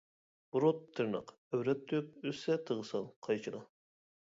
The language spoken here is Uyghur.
بۇرۇت تىرناق، ئەۋرەت تۈك، ئۆسسە تىغ سال، قايچىلا.